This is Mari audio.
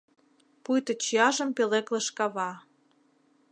Пуйто чияжым пӧлеклыш кава.